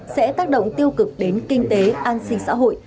sẽ tác động tiêu cực đến kinh tế an sinh xã hội